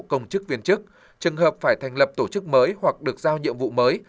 công chức viên chức trường hợp phải thành lập tổ chức mới hoặc được giao nhiệm vụ mới